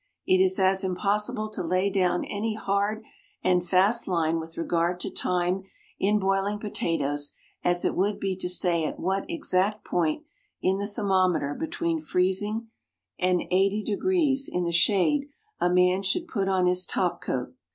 It is as impossible to lay down any hard and fast line with regard to time in boiling potatoes as it would be to say at what exact point in the thermometer between freezing and 80 degrees in the shade a man should put on his top coat.